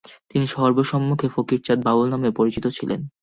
তিনি সর্বসমক্ষে ফকির চাঁদ বাউল নামেও পরিচিত ছিলেন।